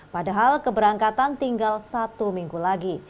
padahal keberangkatan tinggal satu minggu lagi